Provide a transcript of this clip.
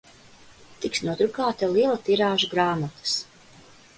Tiks nodrukāta liela tirāža grāmatas